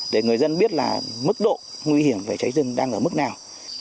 để người dân biết là mức độ nguy hiểm về cháy rừng đang ở mức nào